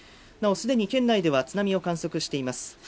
なお既に県内では津波を観測しています。